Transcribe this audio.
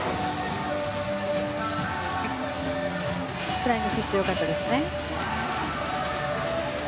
フライングフィッシュ良かったですね。